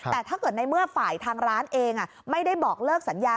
แต่ถ้าเกิดในเมื่อฝ่ายทางร้านเองไม่ได้บอกเลิกสัญญา